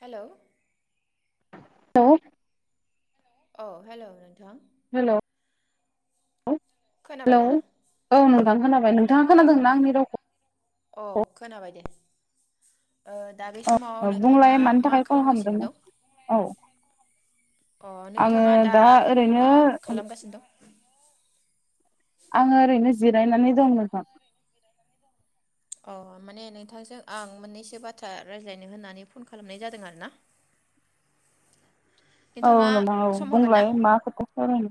Hello [unintelligible] औ hello नोंथां hello hello खोनाबायना औ नोंथां खोनाबाय नोंथाङा खोनादों? ना आंनि रावखौ अ खोनाबाय दे दा बे समाव औ नोंथाङा बुंलाय मानि मा थाखाय कल खालामगासिनो खालामदोंमोन दं औ अ आङो नोंथाङा दा ओरैनो मा खालामगासिनो दं? आङो ओरैनो जिरायनानै दं नोंथां अ माने नोंथांजों आं मोननैसो बाथ्रा रायज्लायनो होननानै फन खालामनाय जादों आरो ना औ नोंथां औ बुंलाय मा खोथा सावरायनो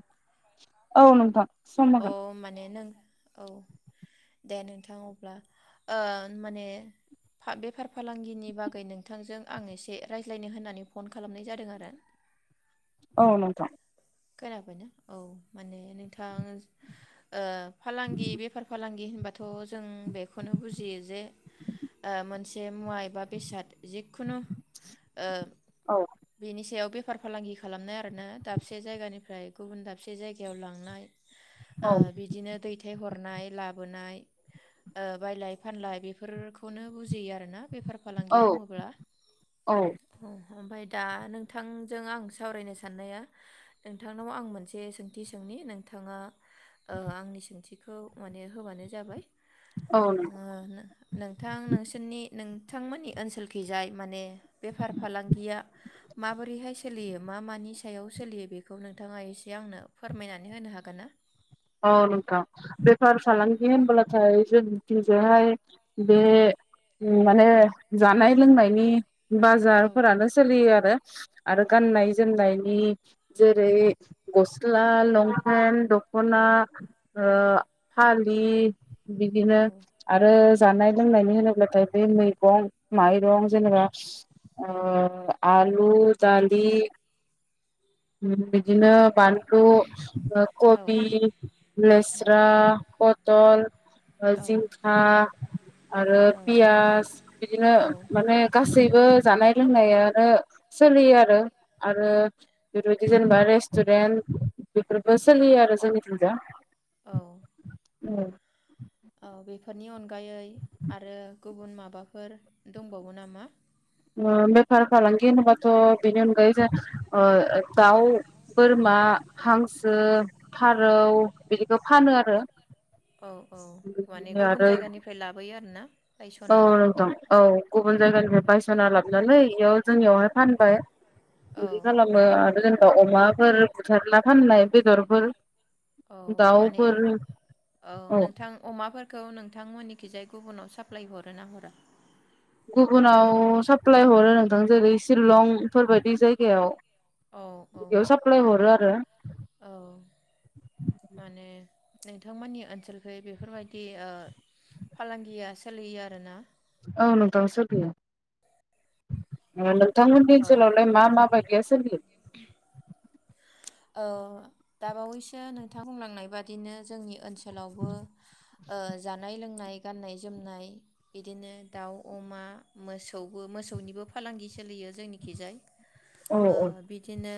औ नोंथां सम अ होगोन माने नों औ दे नों थां अब्ला ओ माने फा बेफार फालांगिनि बागै नोंथांजों आं एसे रायज्लायनो होननानै फन खालामनाय जादों आरो औ नोंथां खोनाबायना औ माने नोंथां ओ फालांगि बेफार फालांगि होन बाथ' जों बेखौनो बुजियो जे ओ मोनसे मुवा एबा बेसाद जिखुनु ओ औ बेनि सायाव बे फार फालांगि खालामनाय आरोना दाबसे से जायगानिफ्राय गुबुन दाबसे जायगायाव लांनाय ओ औ बिदिनो दैथायहरनाय लाबोनाय ओ बायलाय फानलाय बेफोरखौनो बुजियो आरोना बेफार फालांगि औ बुङोब्ला औ अ ओमफाय दा नोंथांजों आं सावरायनो साननाया नोंथांनाव आं मोनसे सोंथि सोंनि नोंथाङा ओ आंनि सोंथि खौ माने होबानो जाबाय औ ओ नों नोंथां नोंसोरनि नों थांमोननि ओनसोलखि जाय माने बेफार फालांगिया माबोरैहाय सोलियो मा मानि सायाव? सोलियो बेखौ नोंथाङा एसे आंनो फोरमायनानै होनो हागोन ना? औ नोंथां बेफार फालांगि होनब्लाथाय जोंनि थिंजाय बे माने जानाय लोंनायनि औ बाजारफोरानो सोलियो आरो आरो औ गाननाय जोमनायनि जेरै गस्ला लंफेन द ख'ना ओ फालि बिदिनो औ आरो जानाय लोंनायनि होनोब्लाथाय बे मैगं माइरं जेनेबा ओ आलु दालि औ बिदिनो बानलु अ औ कबि उम, लेस्रा प तल ओ औ जिंखा आरो पियास बिदिनो औ माने गासैबो जानाय लोंनायानो सोलियो आरो आरो बेफोरबायदि जेनेबा रेस्टु'रेन्ट बेफोरबो सोलियो आरो जोंनिथिंजा औ औ औ बेफोरनि अनगायै आरो गुबुन माबाफोर दंबावो नामा? बेफार फालांगि होनोबाथ' बिनि अनगायै जों दाउ बोरमा हांसो फारौ बिदिखौ फानो आरो औ औ माने गुबुन आरो जायगानिफ्राय लाबोयो आरोना औ बायस'नानै नोंथां औ गुबुन जायगानिफ्राय बायस'ना लाबोनानै इयाव जोंनियावहाय फानबाय। औ बिदि खालामो आरो जेनेबा अमाफोर बुथारना फाननाय बेदरफोर औ माने दाउफोर औ नोंथां अमाफोरखौ नों नोंथांमोननिखिजाय गुबुनाव साप्लााय हरो ना हरा? गुबुनाव साप्लाय हरो नोंथां जेरै शिलं बेफोरबायदि जायगायाव औ औ बेयाव सप्लााय हर आरो औ माने नोंथांमोननि ओनसोलखै बेफोरबायदि ओ फालांगिया सोलियो आरोना। औ नोंथां सोलियो नोंथांमोननि औ ओनसोलावलाय मा मा बायदिया सोलियो? दाबावैसो नोंथां बुंलांनाय बादिनो जोंनि ओनसोलाव ओनसोलावबो ओ जानाय लोंनाय गाननाय जोमनाय बिदिनो दाउ अमा मोसौबो मोसौनिबो फालांगि सोलियो। जोंनिखिजाय औ औ बिदिनो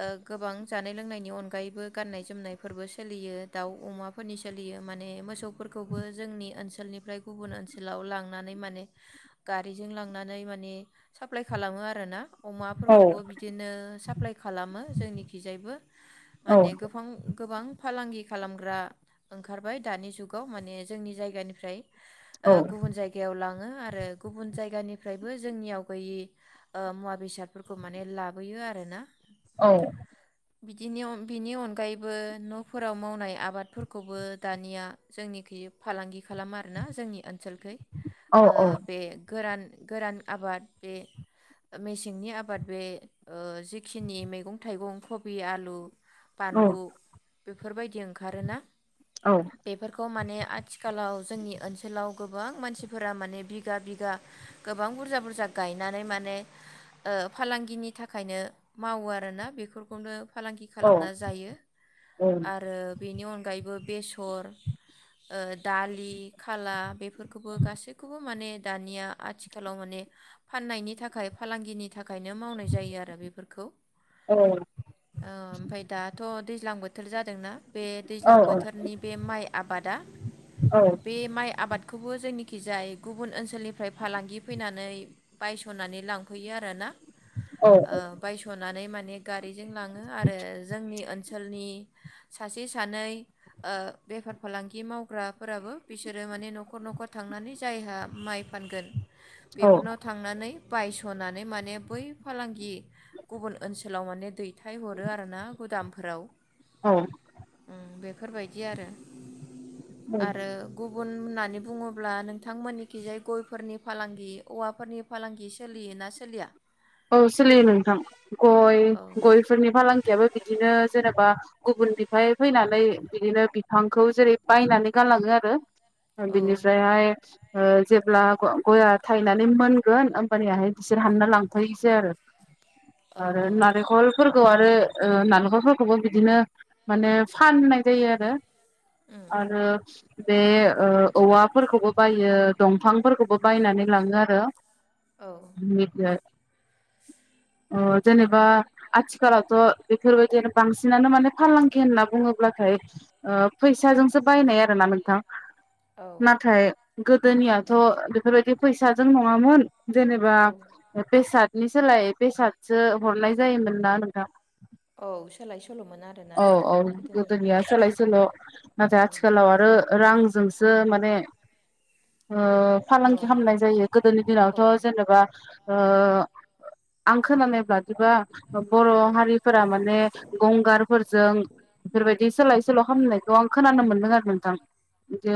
ओ गोबां जानाय लोंनायनि अनगायैबो गाननाय जोमनायफोरबो सोलियो दाउ अमाफोरनि सोलियो माने मोसौफोरखौबो जोंनि ओनसोलनिफ्राय गुबुन ओनसोलाव लांनानै माने गारिजों लांनानै माने साप्लाइ खालामो आरो। आरोना अमाफोरखौबो बिदिनो साप्लााय खालामो जोंनिखिजायबो औ माने गोबां गोबां फालांगि खालामग्रा ओंखारबाय दानि जुगाव माने जोंनि जायगानिफ्राय औ गुबुन जायगायाव लाङो आरो गुबुन जायगानिफ्रायबो जोंनियाव गैयि मुवा बेसादफोरखौ माने लाबोयो आरो ना। औ बिदि बिनि अनगायैबो न'फोराव मावनाय आबादफोरखौबो दानिया जोंनिखै फालांगि खालामो आरोना जोंनि ओनसोलखै औ बे गोरान गोरान आबाद बे मेसेंनि आबाद बे जिखिनि मैगं थाइगं कबि आलु बानलु बेफोरबायदि ओंखारोना औ बेफोरखौ माने आथिखालाव जोंनि ओनसोलाव गोबां मानसिफोरा माने बिगा बिगा गोबां बुरजा बुरजा गायनानै माने फालांगिनि थाखायनो मावो आरोना बेफोरखौनो फालांगि औ खालामना जायो औ आरो बेनि अनगायैबो बेसर ओ दालि खाला बेफोरखौबो गासैखौबो माने दानिया आथिखालाव माने फाननायनि थाखाय थाखाय फालांगिनि थाखाय नो मावनाय जायो आरो बेफोरखौ औ ओ ओमफ्राय दाथ' दैज्लां बो हटेल जादों ना। बे दैज्लां बोथोरनि बे माइ आबादा औ बे माइ आबाद बेखौबो जोंनिखि जाय गुबुन ओनसोलनिफ्राय फालांगि फैनानै बायस'नानै लांफैयो आरो ना। ओ बायस'नानै माने माने गारिजों लाङो आरो जोंनि ओनसोलनि सासे सानै ओ बेफार फालांगि मावग्राफोराबो बिसोरो माने न'खर न'खर थांनानै जायहा माइ फानगोन। औ बेफोरनाव थांनानै बायस'नानै माने बै फालांगि गुबुन ओनसोलाव माने दैथायहरो आर ना गुदामफोराव औ। उम बेफोरबायदि आरो। औ आरो गुबुन। होननानै बुङोब्ला नोंथांमोननिखि जाय गयफोरनि फालांगि औवाफोरनि फालांगि सोलियोना सोलिया औ सोलियो नोंथां गय औ गयफोरनि फालांगियाबो बिदिनो जेनेबा गुबुननिफ्राय फैनानै बिदिनो बिफांखौ जेरै बायनानै गालाङो आरो। आ औ बिनिस्रायहाय ओ जेब्ला ग-गया थायनानै मोनगोन होमबानियाहाय बिसोर हानना लां [unintelligible] आरो औ आरो औ नालेंखरफोर ओ आरो नालेंखरफोरखौबो बिदिनो माने फाननाय जायो आरो। उम आरो बे ओ औवाफोरखौबो बायो दंफांफोरखौबो बायनानै लाङो आरो। औ बे [unintelligible] अ जेनेबा आथिखालावथ' बेफोरबायदिनो बांसिनानो माने फालांगि होनना बुङोब्लाथाय ओ फैसाजोंसो बायनाय आरो ना नोंथां? औ नाथाय गोदोनियाथ' बेफोरबायदि फैसाजों नङामोन। जेनेबा औ बेसाटनि सोलाय बेसादसो हरनाय जायोमोन ना नोंथां। औ सोलाय सोल'मोन आरोना औ औ नोंथां गोदोनि गोदोनिया सोलाय सोल' नाथाय आथिखालाव आरो रां जोंसो माने ओ औ फालांगि खालामनाय जायो गोदोनि औ दिनावथ' जेनेबा आं खोनानाय ब्लादिबा बर' हारिफोरा माने गंगारफोरजों बेफोरबायदि सोलाय सल' खालामनायखौ आं खोनानो मोन्दों आरो नोंथां।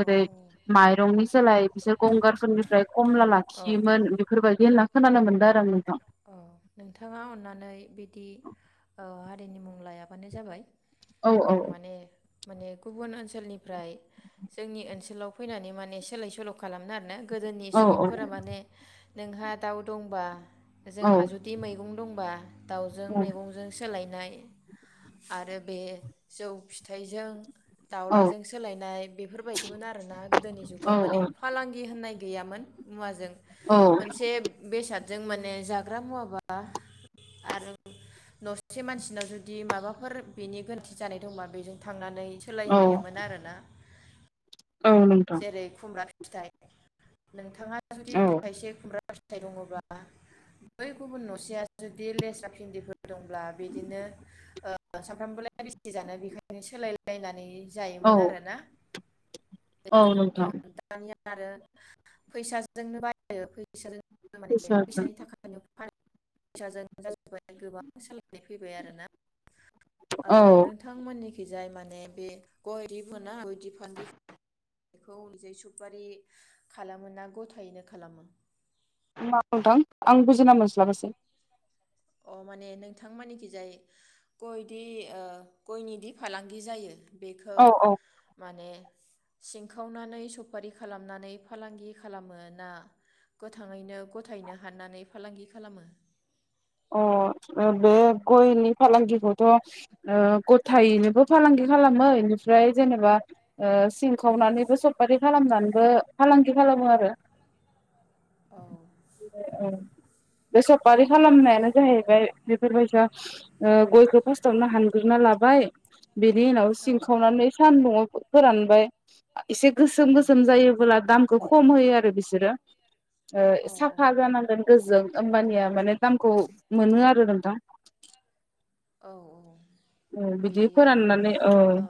औ औ माइरंनि सोलाय बिसोर गंगारफोरनिफ्राय खमला औ लाखियोमोन बेफोर बायदि होन खोनानो मोनबाया आरो आं नोंथां। औ नोंथाङा अन्नानै बिदि ओ हारिनि मुं लायाबानो जाबाय। औ आरो आं नोंथां माने माने गुबुन ओनसोलनिफ्राय जोंनि ओनसोलाव फैनानै माने सोलाय सोल' खालामनो आरोना। गोदोनि औ सुबुंफोरा माने नोंहा दाव दंबा औ जोंहा जुदि मैगं दंबा दाउजों मैगंजों सोलायनो नाय आरो बे जौ फिथाइजों औ दाउलाजों सोलायनाय बेफोर बायदिमोन आरो ना गोदोनि औ जुगाव माने फालांगि होननाय गैयामोन मुवाजों औ मोनसे बेसाद जों [unintelligible] [unintelligible] जाग्रा मुवाबा आरो नसे मानसिनाव जुदि माबाफोर बेनि गोरोन्थि जानाय दंबा बेजों थांनानै औ सोलायहैयोमोन आरोना। [inaudible] जेरै खुमब्रा फि फिथाइ नोंथाङा जुदि औ थाइसे खुमब्रा फिथाय दङब्ला बै गुबुन नसेया जुदि लेस्रा भिन्दिफोर दंब्ला बिदिनो सानफ्रामबोलाय बेसे जानो बेखायनो सोलायलायनानै औ जायोमोन आरोना? औ गोदोनि नोंथां दिनाव दानिया आरो फैसाजोंनो बायो फैसा [unintelligible] माने फैसाजों फैसानि थाखायाव फानो। फैसाजोन जाजोबबाय गोबां सालायनाय फैबाय आरोना। औ नोंथांमोननि खिजाय माने बे गयनि [unintelligible] बेखौ जै सुपारि खालामो ना गथायैनो खालामो? मा बुंदां आं बुजिना मोनस्लाबासै? अ माने नोंथां मानिखि जाय गयदि ओ गयनि दि फालांगि जायो। बेखौ औ औ माने सिंखावनानै सफारि खालामनानै फालांगि खालामो ना गोथाङैनो गथायैनो हाननानै फालांगि खालामो। अ बे गयनि फालांगिखौथ ओ गथायैनोबो फालांगि खालामो इनिफ्राय जेनेबा ओ सिंखावनानैबो सपफारि खालामनानैबो फालांगि खालामो आरो। औ औ बे सफारि खालाम ओमफ्राय [unintelligible] बेफोरबायसा गयखौ फार्स्टावनो हानग्रोनना लाबाय बिनि उनाव औ सिंखावनानै सान्दुंआव फोरानबाय एसे गोसोम उम गोसोम जायोबोब्ला दाम खम होयो आरो बिसोरो ओ औ साफा औ जानांगोन गोजों। ओमबानिया माने दामखौ मोनो आरो नोंथां [inaudible] औ औ बिदि आरो औ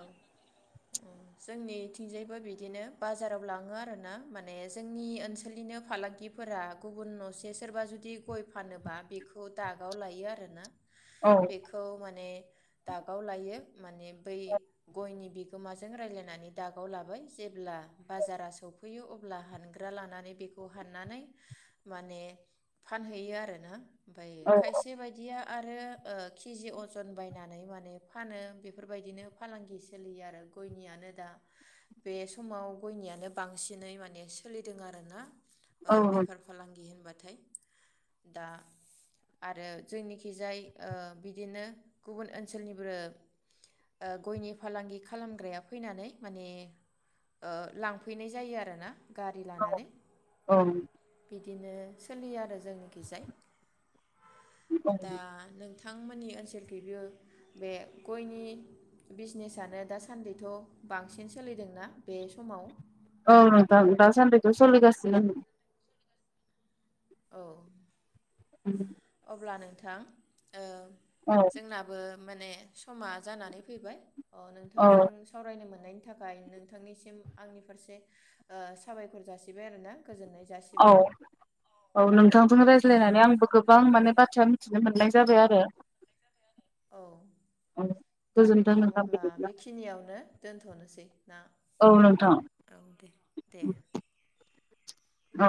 जोंनि थिंजायबो बिदिनो बाजाराव लाङो आरोना माने जोंनि ओनसोलनिनो फालांगिफोरा गुबुन नसे सोरबा जुदि गय फानोबा बेखौ दागाव लायो आरोना। औ बेखौ माने दागाव लायो माने बै गयनि बिगोमाजों रायज्लायनानै दागाव लाबाय। जेब्ला बाजारा सफैयो अब्ला हानग्रा लानानै बेखौ हाननानै माने फानहैयो आरोना। ओमफाय औ खायसे बायदिया आरो केिजि अजन बायनानै माने फानो बेफोरबायदिनो फालांगि सोलियो आरो गयनियानो दा बे समाव गयनियानो बांसिनै माने सोलिदों आरोना। ओ औ बेफार फालांगि होनबा थाय दा आरो जोंनिखिजाय ओ बिदिनो गुबुन ओनसोलनिबो ओ गयनि फालांगि खालामग्राया फैनानै माने ओ लांफैनाय जायो आरोना। गारि लानानै औ बिदिनो सोलियो आरो जोंनि खिजाय औ दा नों नोंथांमोननि ओनसोलखैबो बे गयनि बिजनेसानो दासान्दिथ' बांसिन सोलिदोंना बे समाव औ नोंथां दासान्दिखौ सोलिगासिनो औ। उम अब्ला नोंथां ओ जोंनाबो माने समा जानानै फैबाय अ औ नोंथांजों सावरायनो मोन थानायनि थाखाय नोंथांनिसिम आंनि फारसे ओ साबायखर जासिबाय आरो ना। गोजोननाय औ जासिबाय औ औ नोंथांजोंनो रायज्लायनानै आंबो गोबां माने बाथ्रानो मिथिनो मोननाय जाबाय आरो। औ दा गोजोनथों नोंथां अब्ला बिदिब्ला बेखिनियावनो दोनथ थनोसै औ नोंथां। दे औ।